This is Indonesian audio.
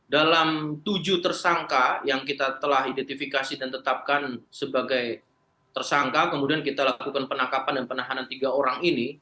dalam tujuh tersangka yang kita telah identifikasi dan tetapkan sebagai tersangka kemudian kita lakukan penangkapan dan penahanan tiga orang ini